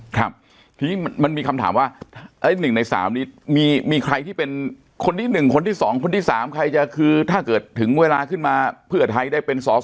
ทีนี้มันมีคำถามว่า๑ใน๓นี้มีใครที่เป็น